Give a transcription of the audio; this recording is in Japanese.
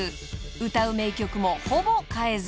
［歌う名曲もほぼ変えず］